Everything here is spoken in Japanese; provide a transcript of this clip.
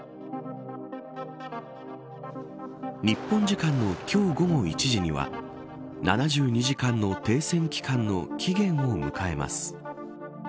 日本時間の今日午後１時には７２時間の停戦期間の期限を迎えます。